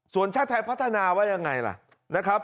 ส่วนชาติไทยพัฒนาว่ายังไงล่ะนะครับ